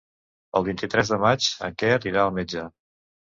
El vint-i-tres de maig en Quer irà al metge.